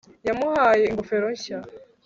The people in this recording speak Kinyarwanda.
yamuhaye ingofero nshya